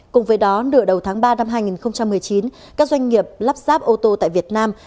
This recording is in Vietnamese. cùng với đó nửa đầu tháng ba năm hai nghìn một mươi chín các doanh nghiệp lắp ráp ô tô tại việt nam